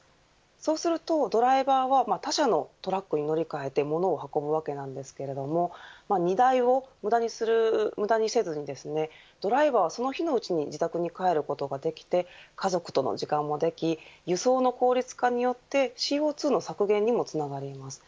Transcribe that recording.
そうするとドライバーは、他社のトラックに乗り換えてものを運ぶわけなのですが荷台を無駄にせずにドライバーはその日のうちに自宅に帰ることができて家族との時間もでき輸送の効率化によってＣＯ２の削減にもつながります。